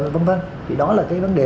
v v thì đó là cái vấn đề